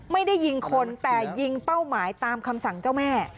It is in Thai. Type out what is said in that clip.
ไม่ได้ยิงคนแต่ยิงเป้าหมายตามคำสั่งเจ้าแม่